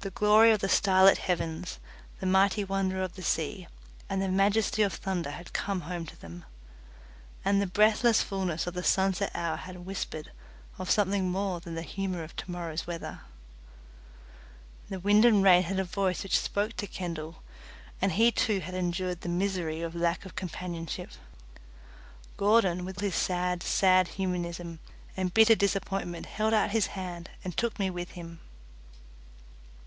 The glory of the starlit heavens, the mighty wonder of the sea, and the majesty of thunder had come home to them, and the breathless fulness of the sunset hour had whispered of something more than the humour of tomorrow's weather. The wind and rain had a voice which spoke to Kendall, and he too had endured the misery of lack of companionship. Gordon, with his sad, sad humanism and bitter disappointment, held out his hand and took me with him.